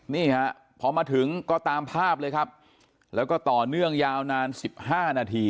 นี่ฮะพอมาถึงก็ตามภาพเลยครับแล้วก็ต่อเนื่องยาวนานสิบห้านาที